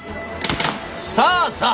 さあさあ